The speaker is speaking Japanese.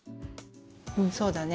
うんそうだね。